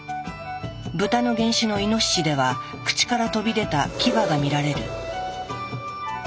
ブタの原種のイノシシでは口から飛び出た牙が見られる。